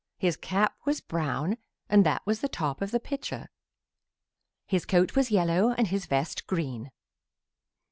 His cap was brown and that was the top of the pitcher. His coat was yellow and his vest green.